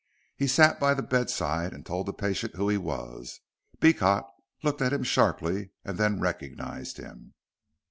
He sat by the bedside and told the patient who he was. Beecot looked at him sharply, and then recognized him.